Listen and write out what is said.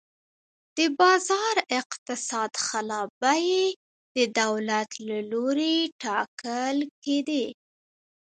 د بازار اقتصاد خلاف بیې د دولت له لوري ټاکل کېدې.